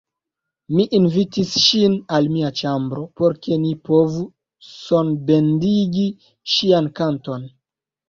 Mi invitis ŝin al mia ĉambro, por ke mi povu sonbendigi ŝian kanton.